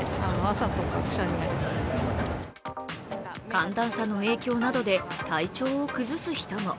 寒暖差の影響などで体調を崩す人も。